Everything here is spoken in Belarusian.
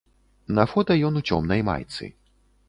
На фота ён у цёмнай майцы.